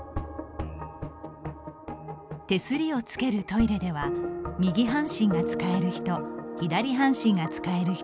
手すりをつけるトイレでは右半身が使える人左半身が使える人